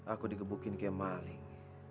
aku dikebukin kayak maling